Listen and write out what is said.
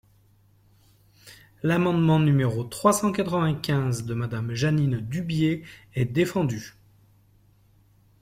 L’amendement numéro trois cent quatre-vingt-quinze de Madame Jeanine Dubié est défendu.